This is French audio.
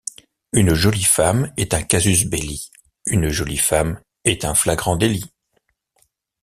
Une jolie femme est un casus belli ; une jolie femme est un flagrant délit.